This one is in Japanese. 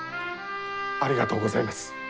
ありがとうございます。